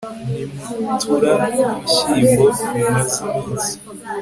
n'imitura y'ibishyimbo bimaze iminsi